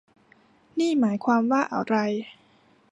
นี่หมายความว่าอะไร